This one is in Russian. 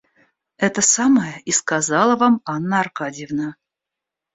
Это самое и сказала вам Анна Аркадьевна.